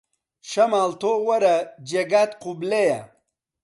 شەماڵ تۆ وەرە جێگات قوبلەیە